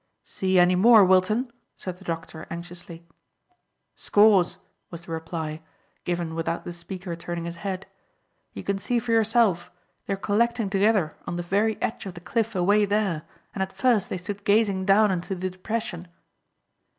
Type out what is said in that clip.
"See any more, Wilton?" said the doctor anxiously. "Scores," was the reply, given without the speaker turning his head. "You can see for yourself; they're collecting together on the very edge of the cliff away there, and at first they stood gazing down into the depression."